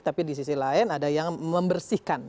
tapi di sisi lain ada yang membersihkan